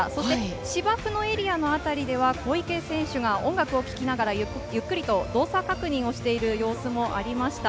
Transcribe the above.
芝生のエリアのあたりでは小池選手が音楽を聞きながらゆっくりと動作確認をしている様子もありました。